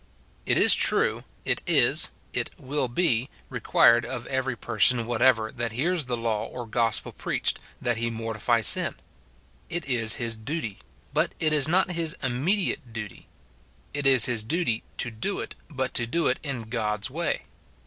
It is true, it is, it will he, required of every person whatever that hears the law or gospel preached, that he mortify sin. It is his duf^, but it is not his immediate duty ; it is his duty to do it, but to do it in God's way.